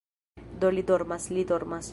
- Do li dormas, li dormas